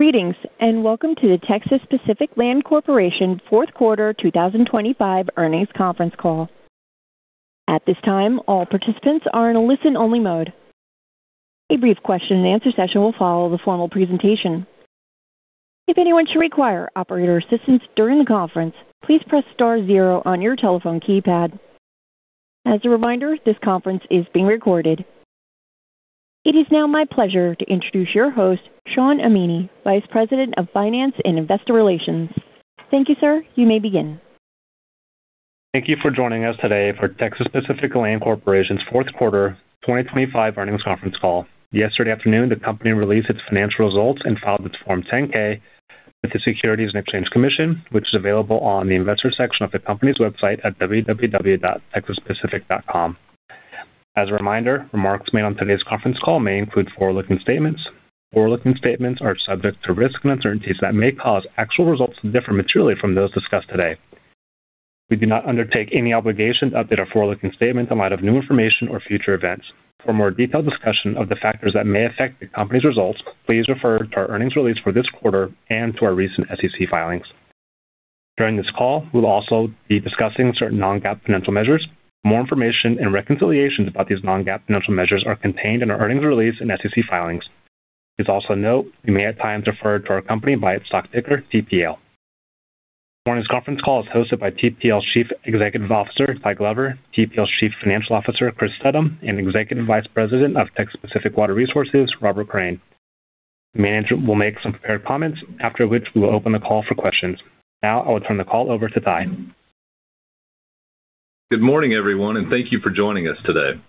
Greetings, and welcome to the Texas Pacific Land Corporation's Fourth Quarter 2025 Earnings Conference Call. At this time, all participants are in a listen-only mode. A brief question-and-answer session will follow the formal presentation. If anyone should require operator assistance during the conference, please press star zero on your telephone keypad. As a reminder, this conference is being recorded. It is now my pleasure to introduce your host, Shawn Amini, Vice President of Finance and Investor Relations. Thank you, sir. You may begin. Thank you for joining us today for Texas Pacific Land Corporation's Fourth Quarter 2025 Earnings Conference Call. Yesterday afternoon, the company released its financial results and filed its Form 10-K with the Securities and Exchange Commission, which is available on the investor section of the company's website at www.texaspacific.com. As a reminder, remarks made on today's conference call may include forward-looking statements. Forward-looking statements are subject to risks and uncertainties that may cause actual results to differ materially from those discussed today. We do not undertake any obligation to update our forward-looking statements in light of new information or future events. For more detailed discussion of the factors that may affect the company's results, please refer to our earnings release for this quarter and to our recent SEC filings. During this call, we'll also be discussing certain non-GAAP financial measures. More information and reconciliations about these non-GAAP financial measures are contained in our earnings release and SEC filings. Please also note, we may at times refer to our company by its stock ticker, TPL. This morning's conference call is hosted by TPL's Chief Executive Officer, Tyler Glover, TPL's Chief Financial Officer, Chris Steddum, and Executive Vice President of Texas Pacific Water Resources, Robert Crain. Management will make some prepared comments, after which we will open the call for questions. Now I will turn the call over to Ty. Good morning, everyone, and thank you for joining us today.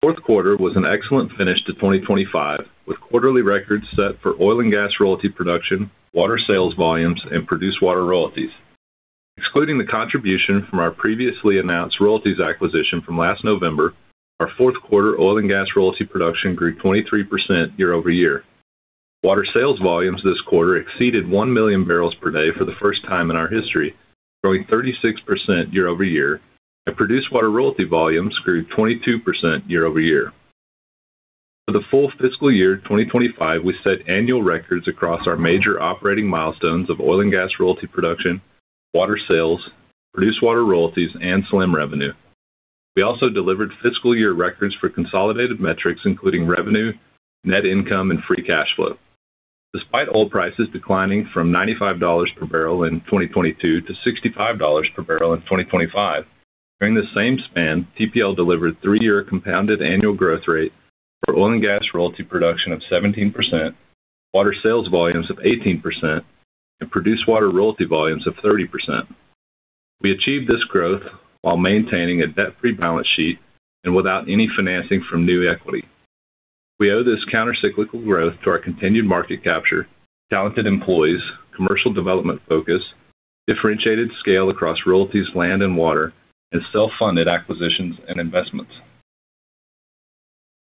Fourth quarter was an excellent finish to 2025, with quarterly records set for oil and gas royalty production, water sales volumes, and produced water royalties. Excluding the contribution from our previously announced royalties acquisition from last November, our fourth quarter oil and gas royalty production grew 23% year-over-year. Water sales volumes this quarter exceeded 1 million barrels per day for the first time in our history, growing 36% year-over-year, and produced water royalty volumes grew 22% year-over-year. For the full fiscal year 2025, we set annual records across our major operating milestones of oil and gas royalty production, water sales, produced water royalties, and SLAM revenue. We also delivered fiscal year records for consolidated metrics, including revenue, net income, and free cash flow. Despite oil prices declining from $95 per barrel in 2022 to $65 per barrel in 2025, during the same span, TPL delivered three-year compounded annual growth rate for oil and gas royalty production of 17%, water sales volumes of 18%, and produced water royalty volumes of 30%. We achieved this growth while maintaining a debt-free balance sheet and without any financing from new equity. We owe this countercyclical growth to our continued market capture, talented employees, commercial development focus, differentiated scale across royalties, land, and water, and self-funded acquisitions and investments.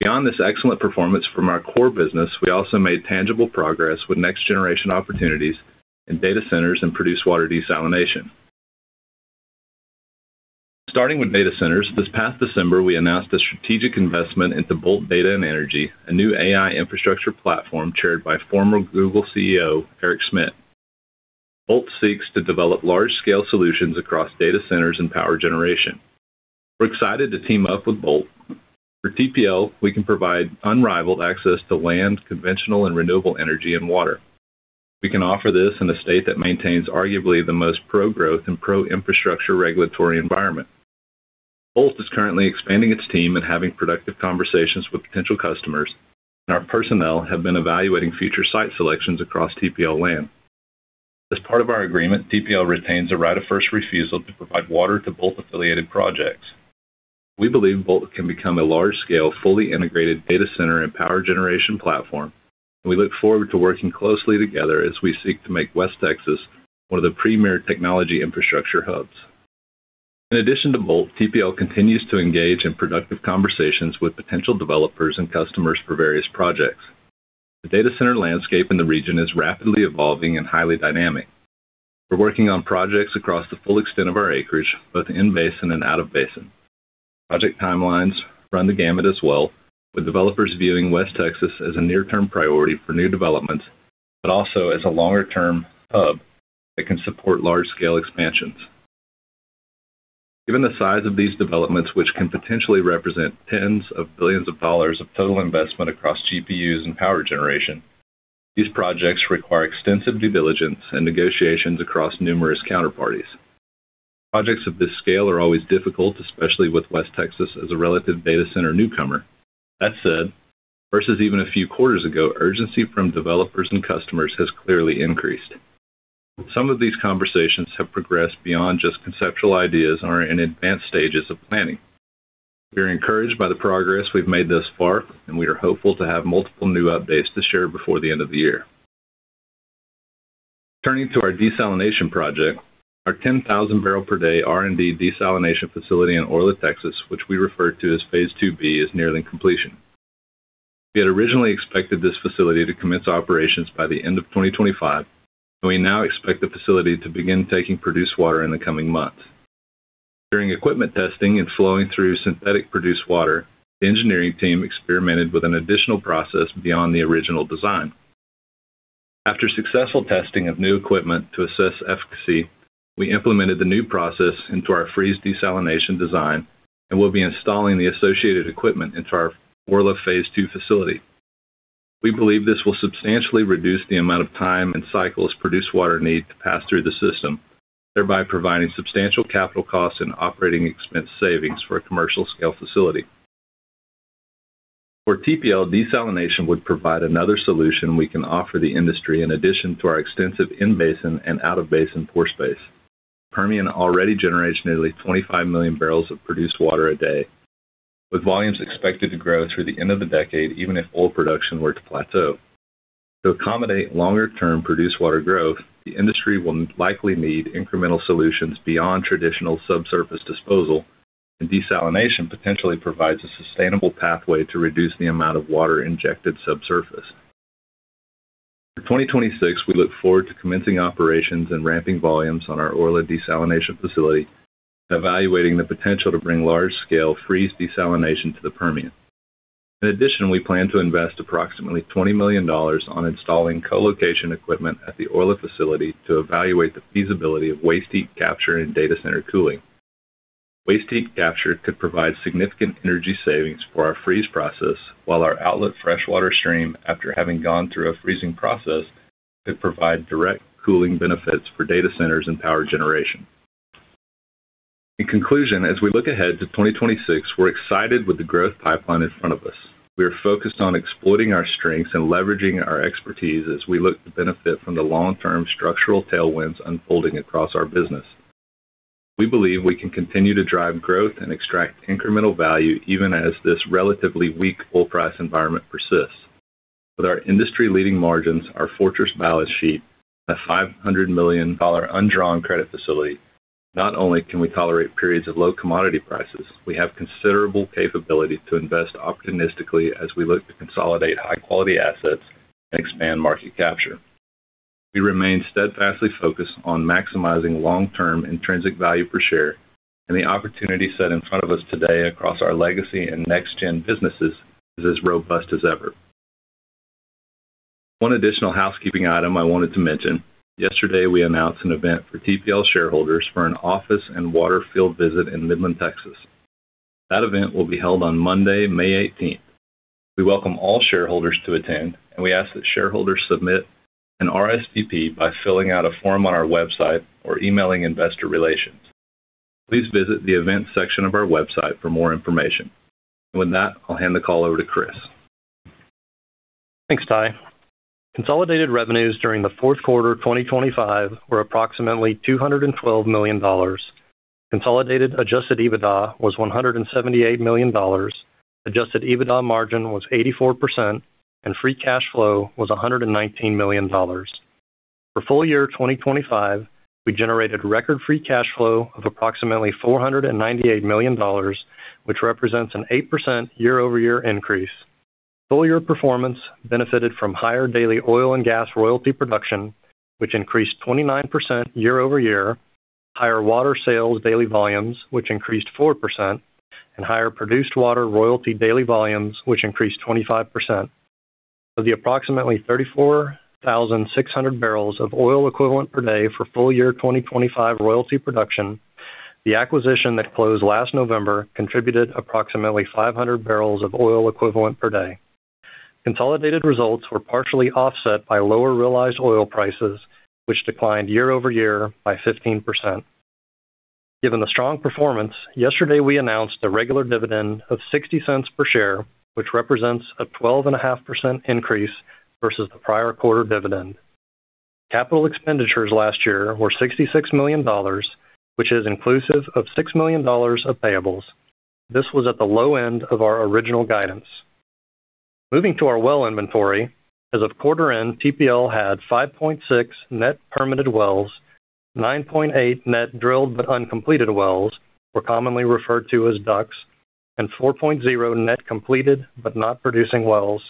Beyond this excellent performance from our core business, we also made tangible progress with next-generation opportunities in data centers and produced water desalination. Starting with data centers, this past December, we announced a strategic investment into Bolt Data & Energy, a new AI infrastructure platform chaired by former Google CEO Eric Schmidt. Bolt seeks to develop large-scale solutions across data centers and power generation. We're excited to team up with Bolt. For TPL, we can provide unrivaled access to land, conventional and renewable energy, and water. We can offer this in a state that maintains arguably the most pro-growth and pro-infrastructure regulatory environment. Bolt is currently expanding its team and having productive conversations with potential customers, and our personnel have been evaluating future site selections across TPL land. As part of our agreement, TPL retains a right of first refusal to provide water to Bolt-affiliated projects. We believe Bolt can become a large-scale, fully integrated data center and power generation platform, and we look forward to working closely together as we seek to make West Texas one of the premier technology infrastructure hubs. In addition to Bolt, TPL continues to engage in productive conversations with potential developers and customers for various projects. The data center landscape in the region is rapidly evolving and highly dynamic. We're working on projects across the full extent of our acreage, both in basin and out of basin. Project timelines run the gamut as well, with developers viewing West Texas as a near-term priority for new developments, but also as a longer-term hub that can support large-scale expansions. Given the size of these developments, which can potentially represent tens of billions of dollars of total investment across GPUs and power generation, these projects require extensive due diligence and negotiations across numerous counterparties. Projects of this scale are always difficult, especially with West Texas as a relative data center newcomer. That said, versus even a few quarters ago, urgency from developers and customers has clearly increased. Some of these conversations have progressed beyond just conceptual ideas and are in advanced stages of planning. We are encouraged by the progress we've made thus far, and we are hopeful to have multiple new updates to share before the end of the year. Turning to our desalination project, our 10,000 barrel per day R&D desalination facility in Orla, Texas, which we refer to as Phase 2B, is nearing completion. We had originally expected this facility to commence operations by the end of 2025, and we now expect the facility to begin taking produced water in the coming months. During equipment testing and flowing through synthetic produced water, the engineering team experimented with an additional process beyond the original design. After successful testing of new equipment to assess efficacy, we implemented the new process into our freeze desalination design and will be installing the associated equipment into our Orla Phase 2B facility. We believe this will substantially reduce the amount of time and cycles produced water need to pass through the system, thereby providing substantial capital costs and operating expense savings for a commercial-scale facility. For TPL, desalination would provide another solution we can offer the industry in addition to our extensive in-basin and out-of-basin pore space. Permian already generates nearly 25 million barrels of produced water a day, with volumes expected to grow through the end of the decade, even if oil production were to plateau. To accommodate longer-term produced water growth, the industry will likely need incremental solutions beyond traditional subsurface disposal, and desalination potentially provides a sustainable pathway to reduce the amount of water injected subsurface. For 2026, we look forward to commencing operations and ramping volumes on our Orla desalination facility, evaluating the potential to bring large-scale freeze desalination to the Permian. In addition, we plan to invest approximately $20 million on installing co-location equipment at the Orla facility to evaluate the feasibility of waste heat capture and data center cooling. Waste heat capture could provide significant energy savings for our freeze process, while our outlet freshwater stream, after having gone through a freezing process, could provide direct cooling benefits for data centers and power generation. In conclusion, as we look ahead to 2026, we're excited with the growth pipeline in front of us. We are focused on exploiting our strengths and leveraging our expertise as we look to benefit from the long-term structural tailwinds unfolding across our business. We believe we can continue to drive growth and extract incremental value, even as this relatively weak oil price environment persists. With our industry-leading margins, our fortress balance sheet, a $500 million undrawn credit facility, not only can we tolerate periods of low commodity prices, we have considerable capability to invest opportunistically as we look to consolidate high-quality assets and expand market capture. We remain steadfastly focused on maximizing long-term intrinsic value per share, and the opportunity set in front of us today across our legacy and next-gen businesses is as robust as ever. One additional housekeeping item I wanted to mention. Yesterday, we announced an event for TPL shareholders for an office and water field visit in Midland, Texas. That event will be held on Monday, May 18th. We welcome all shareholders to attend, and we ask that shareholders submit an RSVP by filling out a form on our website or emailing Investor Relations. Please visit the events section of our website for more information. With that, I'll hand the call over to Chris. Thanks, Ty. Consolidated revenues during the fourth quarter of 2025 were approximately $212 million. Consolidated adjusted EBITDA was $178 million. Adjusted EBITDA margin was 84%, and free cash flow was $119 million. For full year 2025, we generated record free cash flow of approximately $498 million, which represents an 8% year-over-year increase. Full year performance benefited from higher daily oil and gas royalty production, which increased 29% year-over-year, higher water sales daily volumes, which increased 4%, and higher produced water royalty daily volumes, which increased 25%. Of the approximately 34,600 barrels of oil equivalent per day for full year 2025 royalty production, the acquisition that closed last November contributed approximately 500 barrels of oil equivalent per day. Consolidated results were partially offset by lower realized oil prices, which declined year-over-year by 15%. Given the strong performance, yesterday, we announced a regular dividend of $0.60 per share, which represents a 12.5% increase versus the prior quarter dividend. Capital expenditures last year were $66 million, which is inclusive of $6 million of payables. This was at the low end of our original guidance. Moving to our well inventory, as of quarter end, TPL had 5.6 net permitted wells, 9.8 net drilled but uncompleted wells, or commonly referred to as DUCs, and 4.0 net completed but not producing wells.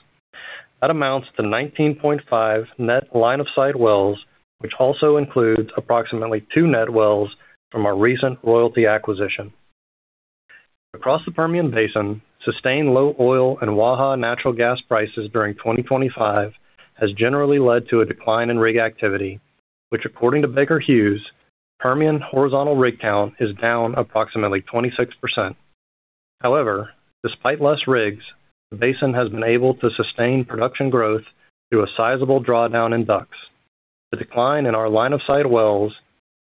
That amounts to 19.5 net line-of-sight wells, which also includes approximately 2 net wells from our recent royalty acquisition. Across the Permian Basin, sustained low oil and Waha natural gas prices during 2025 has generally led to a decline in rig activity, which, according to Baker Hughes, Permian horizontal rig count is down approximately 26%. However, despite less rigs, the basin has been able to sustain production growth through a sizable drawdown in DUCs. The decline in our line-of-sight wells,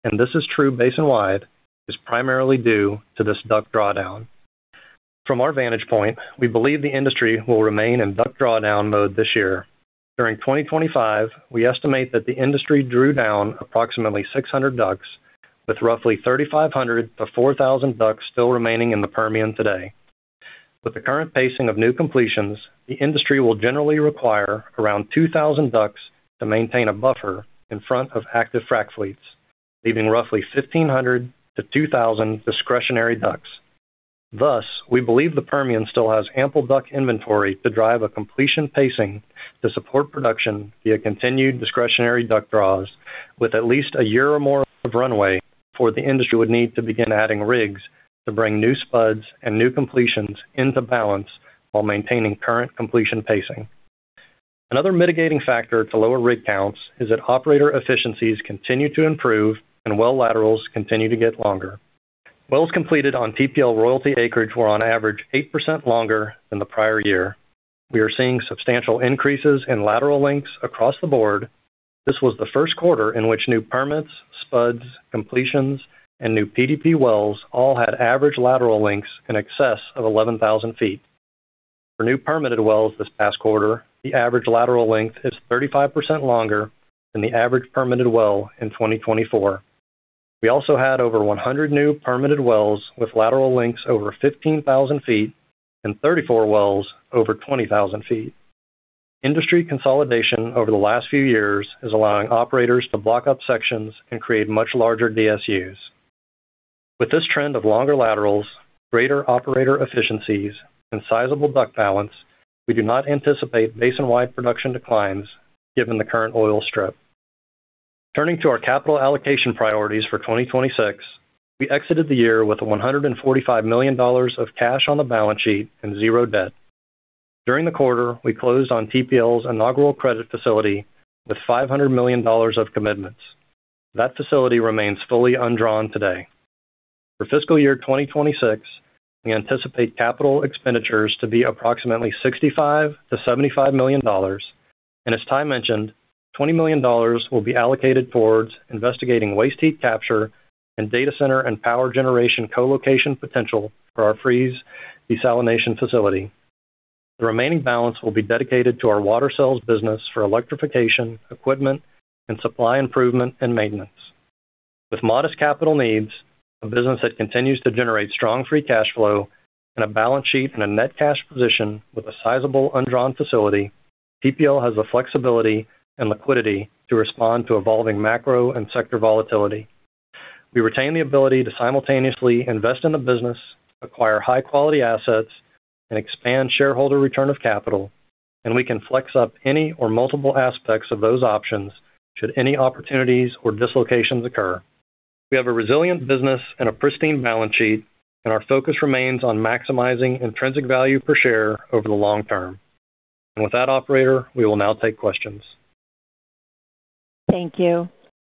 and this is true basin-wide, is primarily due to this DUC drawdown. From our vantage point, we believe the industry will remain in DUC drawdown mode this year. During 2025, we estimate that the industry drew down approximately 600 DUCs, with roughly 3,500-4,000 DUCs still remaining in the Permian today. With the current pacing of new completions, the industry will generally require around 2,000 DUCs to maintain a buffer in front of active frac fleets, leaving roughly 1,500-2,000 discretionary DUCs. Thus, we believe the Permian still has ample DUC inventory to drive a completion pacing to support production via continued discretionary DUC draws, with at least a year or more of runway before the industry would need to begin adding rigs to bring new spuds and new completions into balance while maintaining current completion pacing. Another mitigating factor to lower rig counts is that operator efficiencies continue to improve and well laterals continue to get longer. Wells completed on TPL royalty acreage were on average 8% longer than the prior year. We are seeing substantial increases in lateral lengths across the board. This was the first quarter in which new permits, spuds, completions, and new PDP wells all had average lateral lengths in excess of 11,000 feet. For new permitted wells this past quarter, the average lateral length is 35% longer than the average permitted well in 2024. We also had over 100 new permitted wells with lateral lengths over 15,000 feet and 34 wells over 20,000 feet. Industry consolidation over the last few years is allowing operators to block up sections and create much larger DSUs. With this trend of longer laterals, greater operator efficiencies, and sizable DUC balance, we do not anticipate basin-wide production declines given the current oil strip. Turning to our capital allocation priorities for 2026, we exited the year with $145 million of cash on the balance sheet and zero debt. During the quarter, we closed on TPL's inaugural credit facility with $500 million of commitments. That facility remains fully undrawn today. For fiscal year 2026, we anticipate capital expenditures to be approximately $65 million-$75 million, and as Ty mentioned, $20 million will be allocated towards investigating waste heat capture and data center and power generation co-location potential for our freeze desalination facility. The remaining balance will be dedicated to our water sales business for electrification, equipment, and supply improvement and maintenance. With modest capital needs, a business that continues to generate strong free cash flow and a balance sheet and a net cash position with a sizable undrawn facility, TPL has the flexibility and liquidity to respond to evolving macro and sector volatility. We retain the ability to simultaneously invest in the business, acquire high-quality assets, and expand shareholder return of capital, and we can flex up any or multiple aspects of those options should any opportunities or dislocations occur. We have a resilient business and a pristine balance sheet, and our focus remains on maximizing intrinsic value per share over the long term. With that, operator, we will now take questions. Thank you.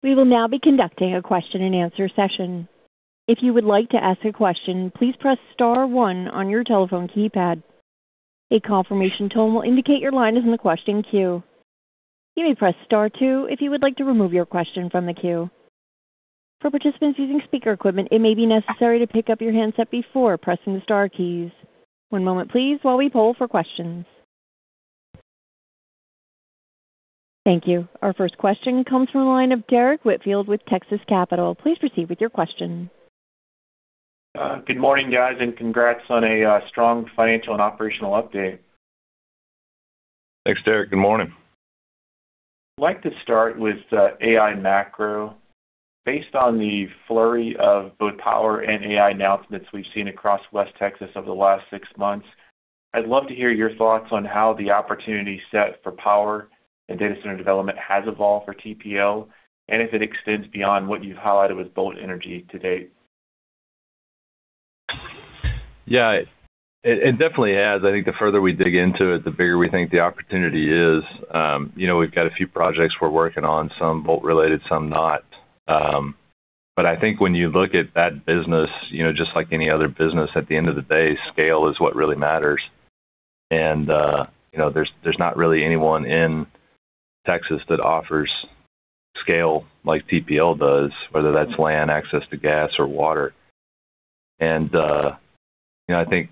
We will now be conducting a question-and-answer session. If you would like to ask a question, please press star one on your telephone keypad. A confirmation tone will indicate your line is in the question queue. You may press star two if you would like to remove your question from the queue. For participants using speaker equipment, it may be necessary to pick up your handset before pressing the star keys. One moment please while we poll for questions. Thank you. Our first question comes from the line of Derrick Whitfield with Texas Capital. Please proceed with your question. Good morning, guys, and congrats on a strong financial and operational update. Thanks, Derrick. Good morning. I'd like to start with, AI macro. Based on the flurry of both power and AI announcements we've seen across West Texas over the last six months, I'd love to hear your thoughts on how the opportunity set for power and data center development has evolved for TPL, and if it extends beyond what you've highlighted with Bolt Energy to date. Yeah, it definitely has. I think the further we dig into it, the bigger we think the opportunity is. You know, we've got a few projects we're working on, some Bolt related, some not. But I think when you look at that business, you know, just like any other business, at the end of the day, scale is what really matters. And, you know, there's not really anyone in Texas that offers scale like TPL does, whether that's land, access to gas, or water. And, you know, I think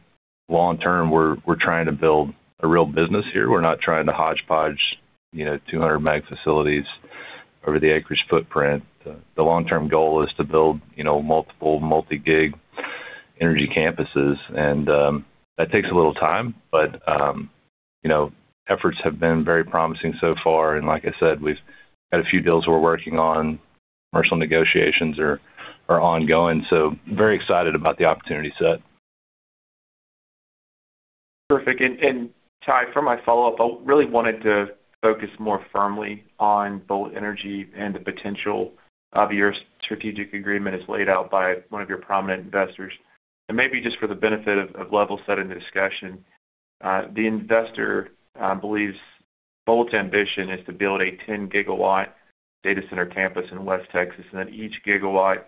long term, we're trying to build a real business here. We're not trying to hodgepodge, you know, 200 meg facilities over the acreage footprint. The long-term goal is to build, you know, multiple multi-gig energy campuses, and, that takes a little time, but, you know, efforts have been very promising so far. And like I said, we've got a few deals we're working on. Commercial negotiations are ongoing, so very excited about the opportunity set. Perfect. Ty, for my follow-up, I really wanted to focus more firmly on Bolt Energy and the potential of your strategic agreement as laid out by one of your prominent investors. Maybe just for the benefit of level-setting the discussion, the investor believes Bolt's ambition is to build a 10-gigawatt data center campus in West Texas, and that each gigawatt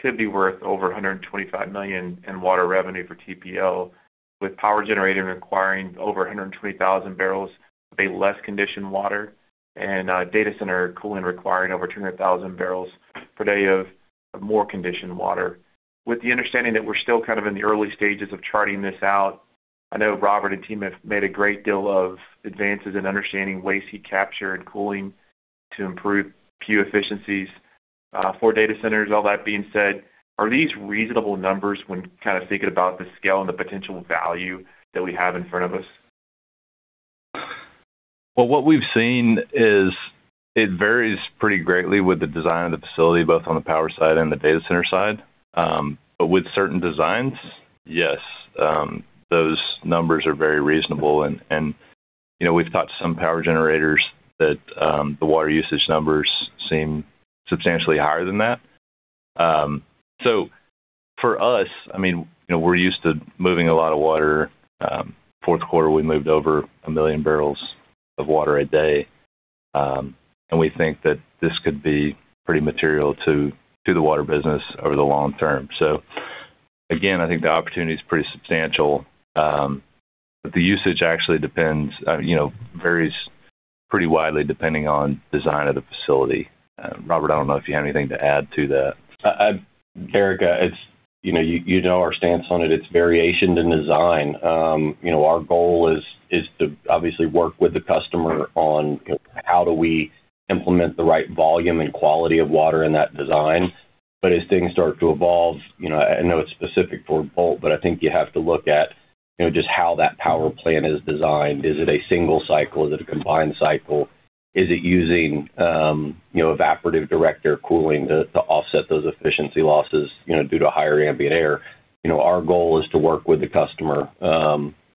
could be worth over $125 million in water revenue for TPL, with power generator requiring over 120,000 barrels of a less conditioned water and data center cooling requiring over 200,000 barrels per day of more conditioned water. With the understanding that we're still kind of in the early stages of charting this out, I know Robert and team have made a great deal of advances in understanding waste heat capture and cooling to improve PUE efficiencies for data centers. All that being said, are these reasonable numbers when kind of thinking about the scale and the potential value that we have in front of us? Well, what we've seen is it varies pretty greatly with the design of the facility, both on the power side and the data center side. But with certain designs, yes, those numbers are very reasonable, and you know, we've talked to some power generators that the water usage numbers seem substantially higher than that. So for us, I mean, you know, we're used to moving a lot of water. Fourth quarter, we moved over 1 million barrels of water a day, and we think that this could be pretty material to the water business over the long term. So again, I think the opportunity is pretty substantial. But the usage actually depends, you know, varies pretty widely depending on design of the facility. Robert, I don't know if you have anything to add to that. I, Erica, it's, you know, you know our stance on it. It's variations in design. You know, our goal is to obviously work with the customer on how do we implement the right volume and quality of water in that design. But as things start to evolve, you know, I know it's specific for Bolt, but I think you have to look at, you know, just how that power plant is designed. Is it a single cycle? Is it a combined cycle? Is it using, you know, evaporative direct air cooling to offset those efficiency losses, you know, due to higher ambient air? You know, our goal is to work with the customer,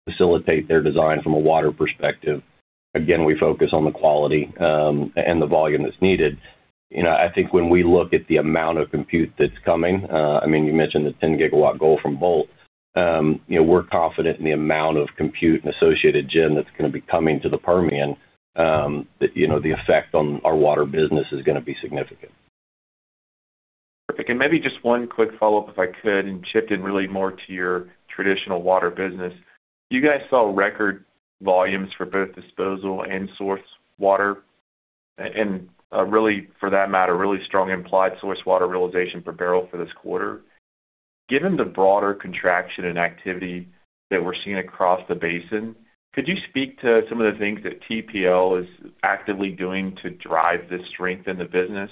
facilitate their design from a water perspective. Again, we focus on the quality, and the volume that's needed. You know, I think when we look at the amount of compute that's coming, I mean, you mentioned the 10-gigawatt goal from Bolt. You know, we're confident in the amount of compute and associated gen that's gonna be coming to the Permian, that, you know, the effect on our water business is gonna be significant. Perfect. And maybe just one quick follow-up, if I could, and shift it really more to your traditional water business. You guys saw record volumes for both disposal and source water, and, really, for that matter, really strong implied source water realization per barrel for this quarter. Given the broader contraction in activity that we're seeing across the basin, could you speak to some of the things that TPL is actively doing to drive this strength in the business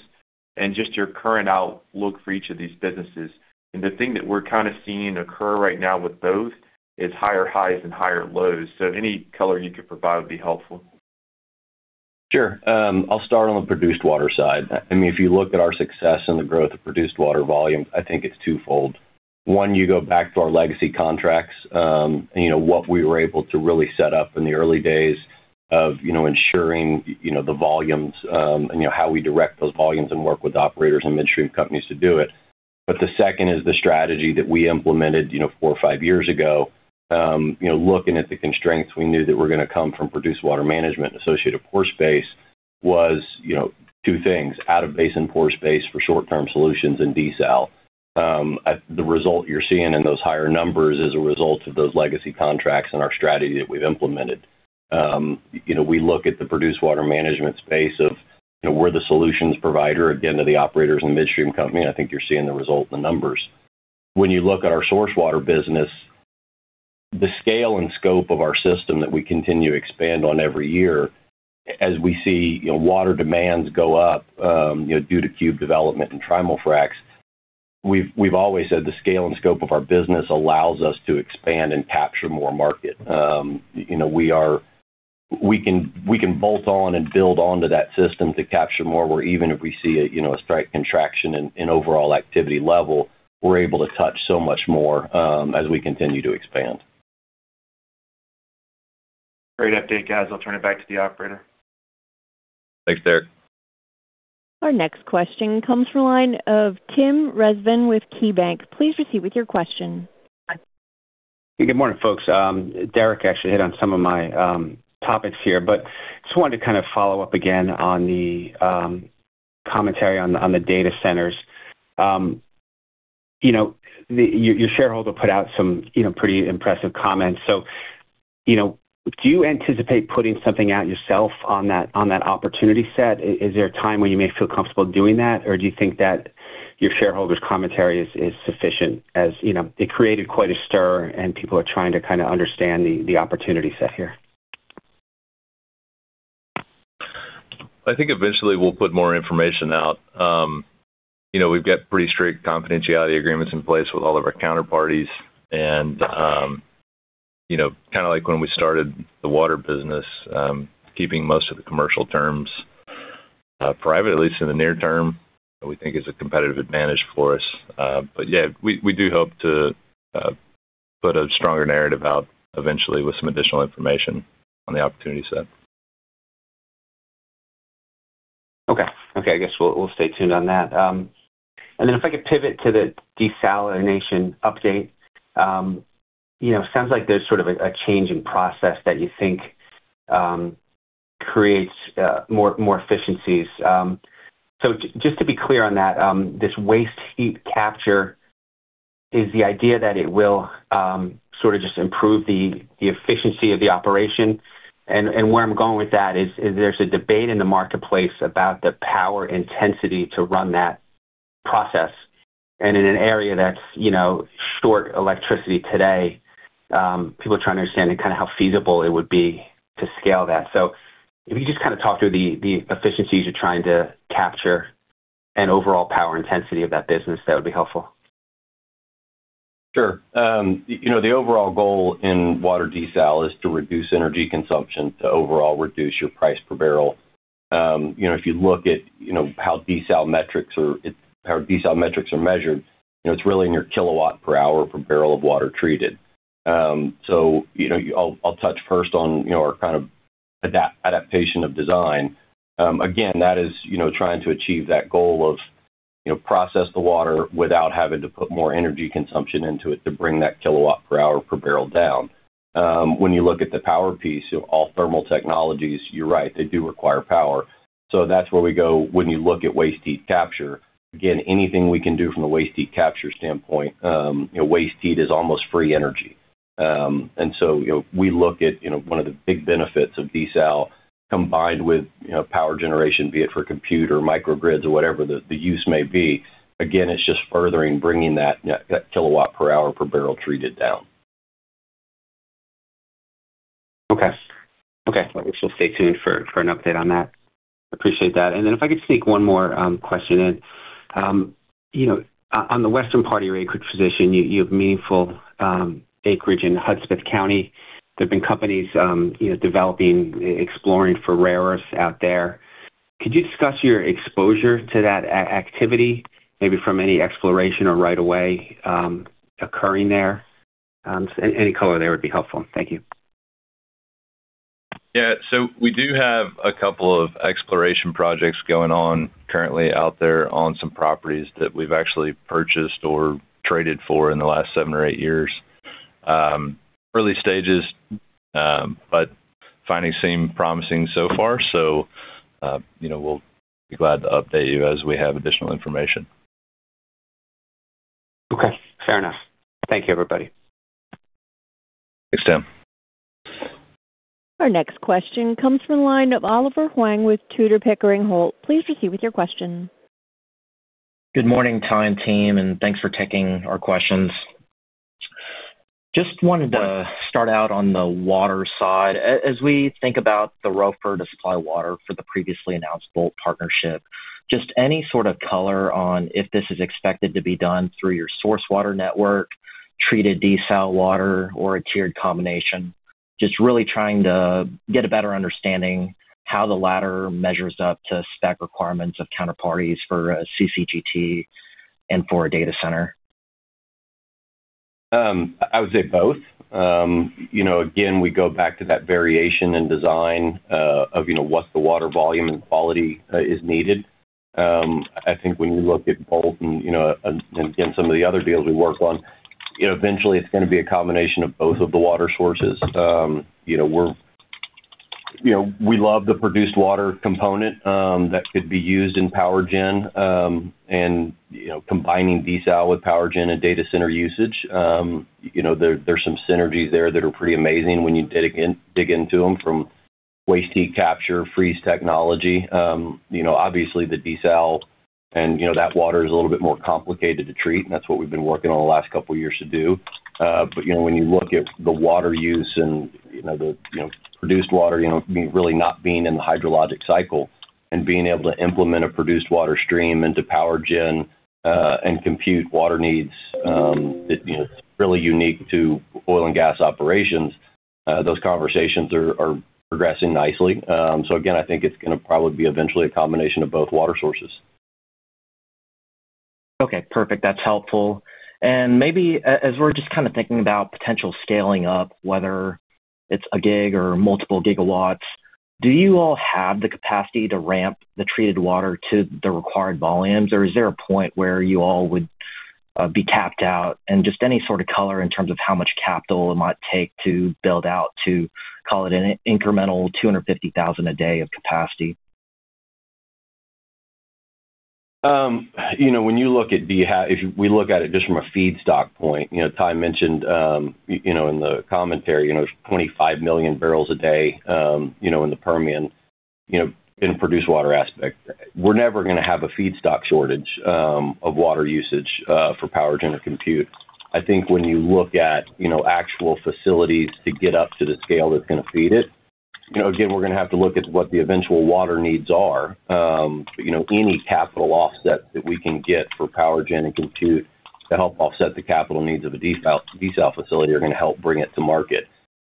and just your current outlook for each of these businesses? And the thing that we're kind of seeing occur right now with both is higher highs and higher lows, so any color you could provide would be helpful. Sure. I'll start on the produced water side. I mean, if you look at our success and the growth of produced water volume, I think it's twofold. One, you go back to our legacy contracts, you know, what we were able to really set up in the early days of, you know, ensuring, you know, the volumes, and, you know, how we direct those volumes and work with operators and midstream companies to do it. But the second is the strategy that we implemented, you know, four or five years ago. You know, looking at the constraints we knew that were gonna come from produced water management-associated pore space was, you know, two things: out-of-basin pore space for short-term solutions and desal. The result you're seeing in those higher numbers is a result of those legacy contracts and our strategy that we've implemented. You know, we look at the produced water management space of, you know, we're the solutions provider, again, to the operators and midstream companies, and I think you're seeing the result in the numbers. When you look at our source water business, the scale and scope of our system that we continue to expand on every year, as we see, you know, water demands go up, you know, due to cube development and tri-mod fracs. We've always said the scale and scope of our business allows us to expand and capture more market. You know, we can, we can bolt on and build onto that system to capture more, where even if we see a, you know, a slight contraction in overall activity level, we're able to touch so much more, as we continue to expand. Great update, guys. I'll turn it back to the operator. Thanks, Derek. Our next question comes from the line of Tim Rezvan with KeyBanc. Please proceed with your question. Good morning, folks. Derrick actually hit on some of my topics here, but just wanted to kind of follow up again on the commentary on the data centers. You know, your shareholder put out some you know, pretty impressive comments. So, you know, do you anticipate putting something out yourself on that opportunity set? Is there a time when you may feel comfortable doing that, or do you think that your shareholder's commentary is sufficient, as you know, it created quite a stir, and people are trying to kind of understand the opportunity set here. I think eventually we'll put more information out. You know, we've got pretty strict confidentiality agreements in place with all of our counterparties, and, you know, kind of like when we started the water business, keeping most of the commercial terms, private, at least in the near term, we think is a competitive advantage for us. But yeah, we, we do hope to, put a stronger narrative out eventually with some additional information on the opportunity set. Okay. Okay, I guess we'll stay tuned on that. And then if I could pivot to the desalination update. You know, sounds like there's sort of a change in process that you think creates more efficiencies. So just to be clear on that, this waste heat capture is the idea that it will sort of just improve the efficiency of the operation. And where I'm going with that is there's a debate in the marketplace about the power intensity to run that process. And in an area that's, you know, short electricity today, people are trying to understand and kind of how feasible it would be to scale that. So if you just kind of talk through the efficiencies you're trying to capture and overall power intensity of that business, that would be helpful. Sure. You know, the overall goal in water desal is to reduce energy consumption, to overall reduce your price per barrel. You know, if you look at, you know, how desal metrics are, how desal metrics are measured, you know, it's really in your kWh per barrel of water treated. So, you know, I'll touch first on, you know, our adaptation of design. Again, that is, you know, trying to achieve that goal of, you know, process the water without having to put more energy consumption into it to bring that kWh per barrel down. When you look at the power piece, all thermal technologies, you're right, they do require power. So that's where we go when you look at waste heat capture. Again, anything we can do from a waste heat capture standpoint, you know, waste heat is almost free energy. And so, you know, we look at, you know, one of the big benefits of desal combined with, you know, power generation, be it for compute or microgrids or whatever the, the use may be, again, it's just furthering bringing that, that kWh per barrel treated down. Okay. Okay, we'll stay tuned for an update on that. Appreciate that. And then if I could sneak one more question in. You know, on the western part of your acreage position, you have meaningful acreage in Hudspeth County. There have been companies, you know, developing, exploring for rare earths out there. Could you discuss your exposure to that activity, maybe from any exploration or right of way occurring there? Any color there would be helpful. Thank you. Yeah. So we do have a couple of exploration projects going on currently out there on some properties that we've actually purchased or traded for in the last seven or eight years. Early stages, but findings seem promising so far. So, you know, we'll be glad to update you as we have additional information. Okay, fair enough. Thank you, everybody. Thanks, Tim. Our next question comes from the line of Oliver Huang with Tudor, Pickering, Holt. Please proceed with your question. Good morning, Ty and team, and thanks for taking our questions. Just wanted to start out on the water side. As we think about the row for to supply water for the previously announced Bolt partnership, just any sort of color on if this is expected to be done through your source water network, treated desal water, or a tiered combination? Just really trying to get a better understanding how the latter measures up to spec requirements of counterparties for CCGT and for a data center. I would say both. You know, again, we go back to that variation in design, of, you know, what the water volume and quality is needed. I think when you look at Bolt and, you know, some of the other deals we work on, you know, eventually it's going to be a combination of both of the water sources. You know, we're, you know, we love the produced water component, that could be used in power gen, and, you know, combining desal with power gen and data center usage. You know, there, there's some synergies there that are pretty amazing when you dig in, dig into them, from waste heat capture, freeze technology, you know, obviously the desal and, you know, that water is a little bit more complicated to treat, and that's what we've been working on the last couple of years to do. But, you know, when you look at the water use and, you know, the, you know, produced water, you know, really not being in the hydrologic cycle and being able to implement a produced water stream into power gen, and compute water needs, it, you know, it's really unique to oil and gas operations. Those conversations are progressing nicely. So again, I think it's going to probably be eventually a combination of both water sources. Okay, perfect. That's helpful. Maybe as we're just kind of thinking about potential scaling up, whether it's a gig or multiple gigawatts, do you all have the capacity to ramp the treated water to the required volumes, or is there a point where you all would be capped out? And just any sort of color in terms of how much capital it might take to build out to call it an incremental 250,000 a day of capacity. You know, when you look at it just from a feedstock point, you know, Ty mentioned, you know, in the commentary, you know, 25 million barrels a day, you know, in the Permian, you know, in produced water aspect. We're never gonna have a feedstock shortage of water usage for power gen or compute. I think when you look at, you know, actual facilities to get up to the scale that's going to feed it, you know, again, we're going to have to look at what the eventual water needs are. You know, any capital offset that we can get for power gen and compute to help offset the capital needs of a desal facility are going to help bring it to market.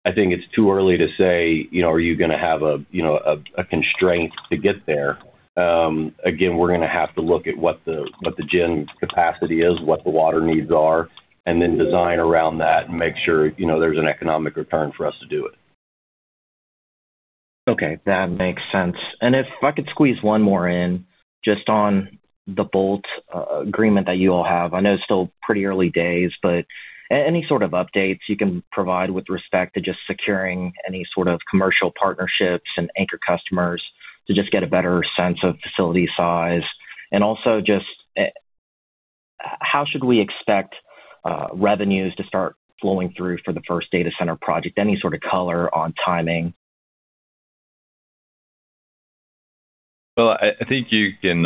I think it's too early to say, you know, are you going to have a constraint to get there? Again, we're going to have to look at what the gen capacity is, what the water needs are, and then design around that and make sure, you know, there's an economic return for us to do it. Okay, that makes sense. If I could squeeze one more in, just on the Bolt agreement that you all have. I know it's still pretty early days, but any sort of updates you can provide with respect to just securing any sort of commercial partnerships and anchor customers to just get a better sense of facility size? And also just, how should we expect revenues to start flowing through for the first data center project? Any sort of color on timing? Well, I, I think you can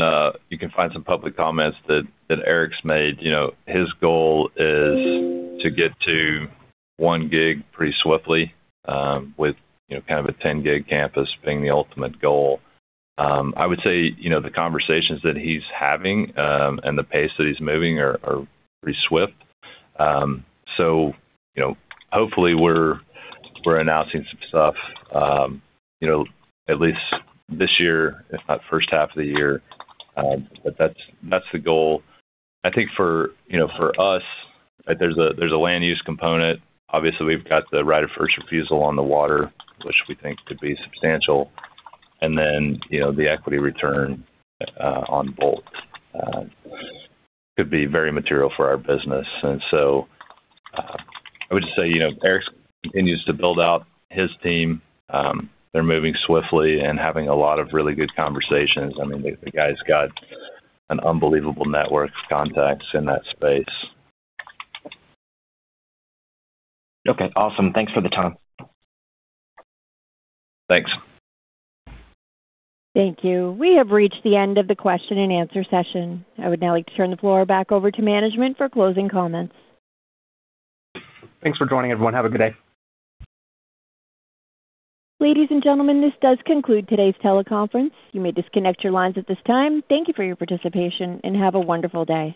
find some public comments that, that Eric's made. You know, his goal is to get to 1 gig pretty swiftly, with, you know, kind of a 10-gig campus being the ultimate goal. I would say, you know, the conversations that he's having and the pace that he's moving are pretty swift. So, you know, hopefully, we're announcing some stuff, you know, at least this year, if not first half of the year. But that's the goal. I think for, you know, for us, there's a land use component. Obviously, we've got the right of first refusal on the water, which we think could be substantial. And then, you know, the equity return on Bolt could be very material for our business. And so, I would just say, you know, Eric continues to build out his team. They're moving swiftly and having a lot of really good conversations. I mean, the guy's got an unbelievable network of contacts in that space. Okay, awesome. Thanks for the time. Thanks. Thank you. We have reached the end of the question and answer session. I would now like to turn the floor back over to management for closing comments. Thanks for joining, everyone. Have a good day. Ladies and gentlemen, this does conclude today's teleconference. You may disconnect your lines at this time. Thank you for your participation, and have a wonderful day.